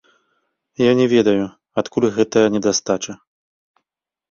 Я не ведаю, адкуль гэтая недастача.